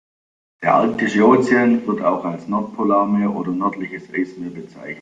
Der Arktische Ozean, wird auch als Nordpolarmeer oder nördliches Eismeer bezeichnet.